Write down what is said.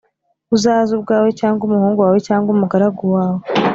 Uzaze ubwawe cyangwa umuhungu wawe cyangwa umugaragu wawe